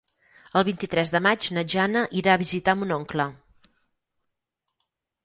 El vint-i-tres de maig na Jana irà a visitar mon oncle.